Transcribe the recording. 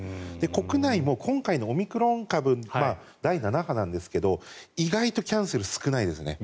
国内も今回のオミクロン株第７波なんですが意外とキャンセル少ないですね。